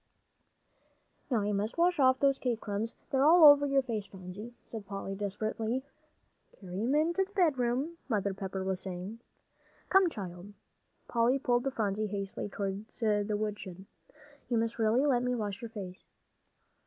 "Now I must wash off the cake crumbs, they're all over your face, Phronsie," said Polly, desperately. "Carry him into the bedroom," Mother Pepper was saying. "Come, child," Polly pulled Phronsie hastily toward the woodshed, "you must really let me wash your face."